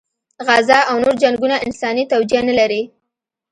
غزه او نور جنګونه انساني توجیه نه لري.